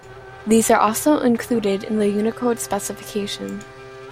These are also included in the Unicode specification.